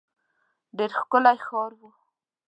ډېر ښکلی ښار وو.